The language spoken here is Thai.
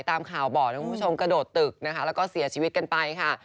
ตามข่าวบอกนะคุณผู้ชมกระโดดตึกนะคะแล้วก็เสียชีวิตกันไปค่ะ